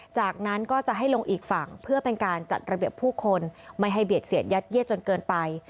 จากนั้นก็จะให้ลงอีกฝั่งเพื่อเป็นการจัดระเบียบผู้คนไม่ให้เบียดเสียดยัดเยียดจนเกินไป